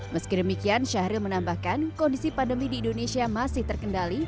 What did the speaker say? meskidemikian syahril menambahkan kondisi pandemi di indonesia masih terkendali